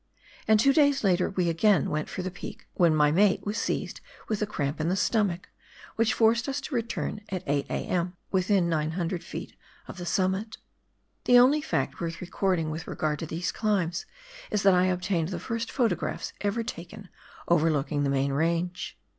And two days later we again went for the peak, when my mate was seized with the cramp in the stomach, which forced us to return at 8 a.m., within 900 ft. of the summit. The only fact worth recording with regard to these climbs is that I obtained the first photographs ever taken overlooking the main range.